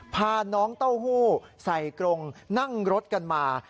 พาน้องเต้าหู้ใส่กรงนั่งรถกันมา